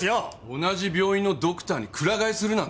同じ病院のドクターに鞍替えするなんて。